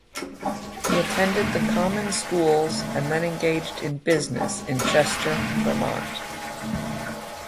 He attended the common schools and then engaged in business in Chester, Vermont.